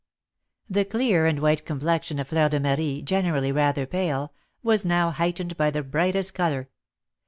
Merrill] The clear and white complexion of Fleur de Marie, generally rather pale, was now heightened by the brightest colour.